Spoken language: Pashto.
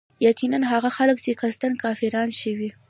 يقيناً هغه خلک چي قصدا كافران شوي